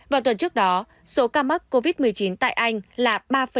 vào tuần trước đó số ca mắc covid một mươi chín tại anh là ba bốn